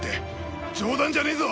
冗談じゃねえぞ！